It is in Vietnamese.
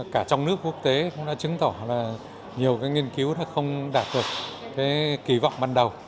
cả trong nước quốc tế cũng đã chứng tỏ là nhiều nghiên cứu không đạt được cái kỳ vọng ban đầu